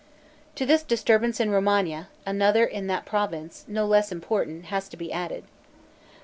To this disturbance in Romagna, another in that province, no less important, has to be added.